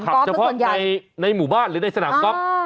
จะขับเฉพาะในในหมู่บ้านหรือในสนามก๊อบอ่า